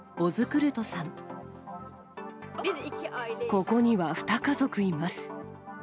ここには２家族います。